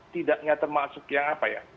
tidaknya termasuk yang apa ya